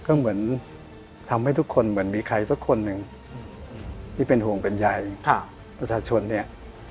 ก็เหมือนทำให้ทุกคนเหมือนมีใครสักคนหนึ่งที่เป็นห่วงเป็นใยประชาชนเนี่ย